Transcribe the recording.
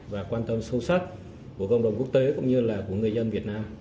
và quan tâm sâu sắc của cộng đồng quốc tế cũng như là của người dân việt nam